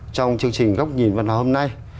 trong chương trình góc nhìn văn hóa hôm nay